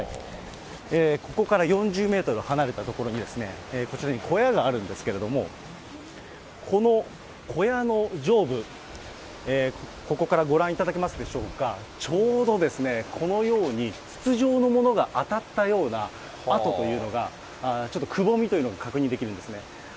ここから４０メートル離れた所に、こちらに小屋があるんですけれども、この小屋の上部、ここからご覧いただけますでしょうか、ちょうどこのように、筒状のものが当たったようなあとというのが、ちょっとくぼみというのが確認できるんですね。